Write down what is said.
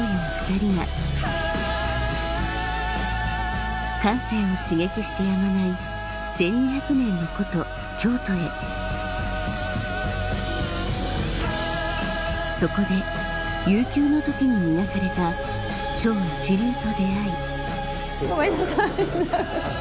２人が感性を刺激してやまない１２００年の古都京都へそこで悠久の時に磨かれた超一流と出会いごめんなさい。